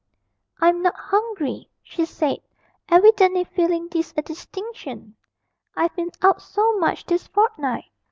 'I'm not hungry,' she said, evidently feeling this a distinction; 'I've been out so much this fortnight.'